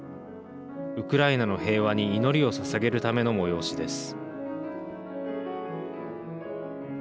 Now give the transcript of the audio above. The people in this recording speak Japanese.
ウクライナの平和に祈りをささげるための催しです。